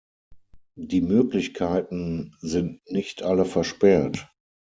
Die Möglichkeiten sind nicht alle versperrt.